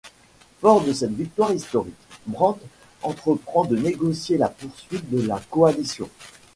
Fort de cette victoire historique, Brandt entreprend de négocier la poursuite de la coalition.